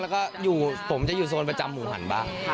แล้วก็ผมจะอยู่โซนประจำหมู่หันบ้าง